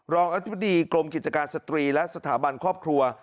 รองอธิบดีกรมกิจการสตรีและสถาบันครอบครัว